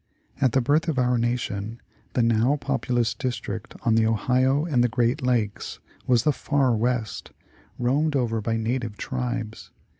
At the birth of our nation the now populous district on the Ohio and the Great Lakes was the " far west," roamed over by native tribes.